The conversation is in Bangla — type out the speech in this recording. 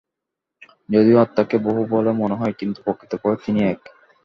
যদিও আত্মাকে বহু বলে মনে হয়, কিন্তু প্রকৃতপক্ষে তিনি এক।